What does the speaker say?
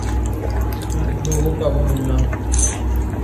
لوگوں کا بھولنا